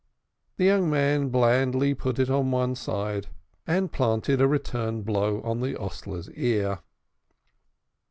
The young man blandly put it on one side, and planted a return blow on the hostler's ear.